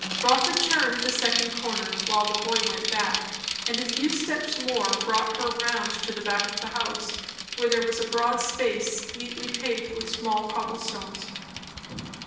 Rotha turned the second corner, while the boy went back; and a few steps more brought her round to the back of the house, where there was a broad space neatly paved with small cobble stones.